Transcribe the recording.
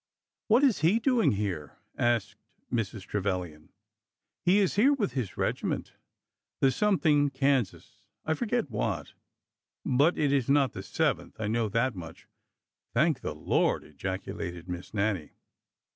''What is he doing here?'' asked Mrs. Trevilian. " He is here with his regiment— the something Kansas — I forget what; but it is not the Seventh, I know that much." "Thank the Lord!" ejaculated Miss Nannie.